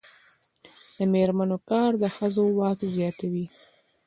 د میرمنو کار د ښځو واک زیاتوي.